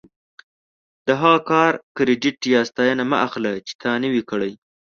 د هغه کار کریډیټ یا ستاینه مه اخله چې تا نه وي کړی.